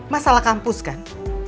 masalah kampus kan